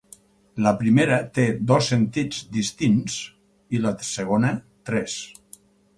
La primera té dos sentits distints i la segona tres.